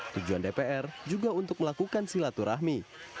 tujuan dpr juga untuk melakukan silaturahmi